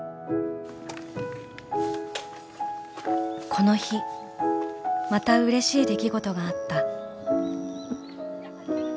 「この日また嬉しい出来事があった」。